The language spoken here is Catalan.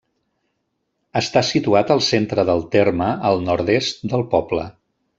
Està situat al centre del terme, al nord-est del poble.